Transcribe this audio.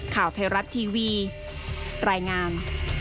ข่าวไทยรัฐทีวีรายงาน